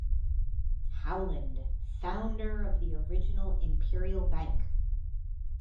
Howland, founder of the original Imperial Bank.